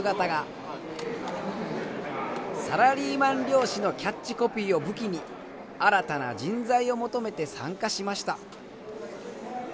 サラリーマン漁師のキャッチコピーを武器に新たな人材を求めて参加しました。